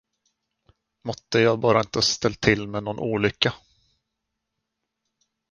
Måtte jag bara inte ha ställt till någon olycka!